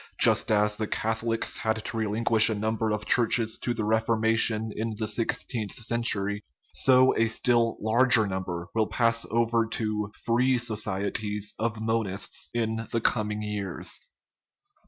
Just as the Catholics had to relinquish a number of churches to the Reforma tion in the sixteenth century, so a still larger number will pass over to " free societies " of monists in the com ing years.